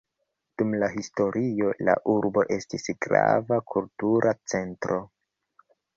Dum la historio la urbo estis grava kultura centro.